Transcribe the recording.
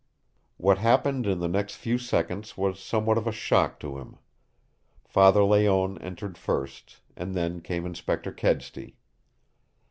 What happened in the next few seconds was somewhat of a shock to him. Father Layonne entered first, and then came Inspector Kedsty.